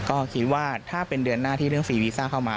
ก็คิดว่าถ้าเป็นเดือนหน้าที่เรื่องฟรีวีซ่าเข้ามา